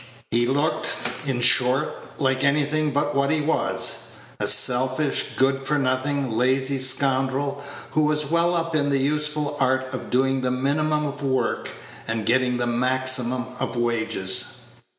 He looked, in short, like anything but what he was a selfish, good for nothing, lazy scoundrel, who was well up in the useful art of doing the minimum of work, and getting the maximum of wages.